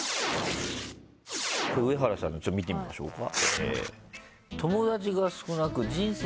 上原さんのちょっと見てみましょうか。